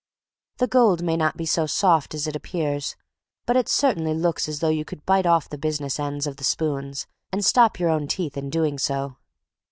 The gold may not be so soft as it appears, but it certainly looks as though you could bite off the business ends of the spoons, and stop your own teeth in doing so.